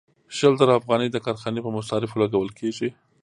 شل زره افغانۍ د کارخانې په مصارفو لګول کېږي